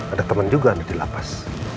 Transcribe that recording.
ada teman juga di lapas